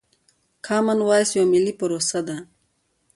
کامن وايس يوه ملي پروسه ده.